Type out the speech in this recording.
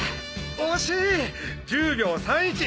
惜しい１０秒３１。